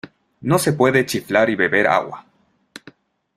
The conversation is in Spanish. No se puede chiflar y beber agua.